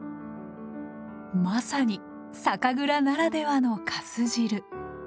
まさに酒蔵ならではの粕汁。